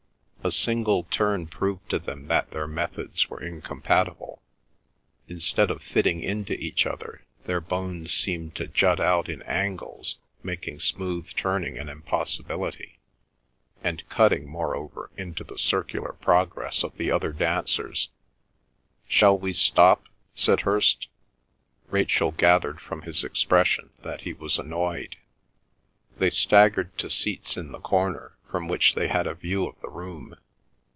A single turn proved to them that their methods were incompatible; instead of fitting into each other their bones seemed to jut out in angles making smooth turning an impossibility, and cutting, moreover, into the circular progress of the other dancers. "Shall we stop?" said Hirst. Rachel gathered from his expression that he was annoyed. They staggered to seats in the corner, from which they had a view of the room.